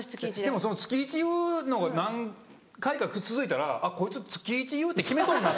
でも月イチ言うのが何回か続いたら「こいつ月イチ言うって決めとんな」